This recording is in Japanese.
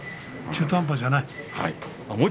中途半端じゃない。